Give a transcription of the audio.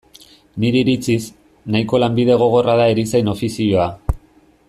Nire iritziz, nahiko lanbide gogorra da erizain ofizioa.